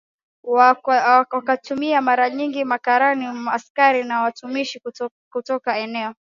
wakatumia mara nyingi makarani askari na watumishi kutoka eneo